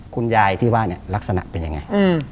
คุณยายที่ว่าเนี่ยลักษณะเป็นยังไง